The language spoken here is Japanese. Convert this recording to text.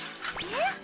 えっ！